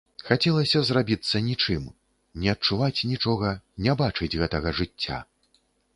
Хацелася зрабіцца нічым, не адчуваць нічога, не бачыць гэтага жыцця.